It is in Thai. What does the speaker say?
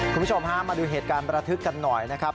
คุณผู้ชมฮะมาดูเหตุการณ์ประทึกกันหน่อยนะครับ